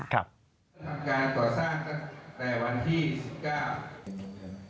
ทำการต่อสร้างแต่วันที่๑๙